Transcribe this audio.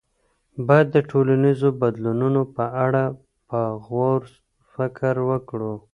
باید د ټولنیزو بدلونونو په اړه په غور فکر وکړو.